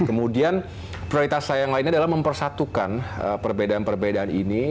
kemudian prioritas saya yang lainnya adalah mempersatukan perbedaan perbedaan ini